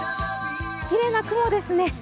きれいな雲ですね。